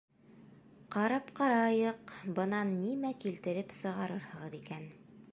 Ҡарап ҡарайыҡ, бынан нимә килтереп сығарырһығыҙ икән.